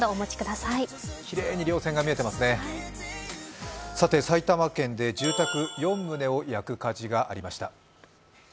さて埼玉県で住宅４棟を焼く火事がありました。